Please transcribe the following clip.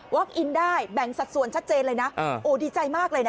อินได้แบ่งสัดส่วนชัดเจนเลยนะโอ้ดีใจมากเลยนะ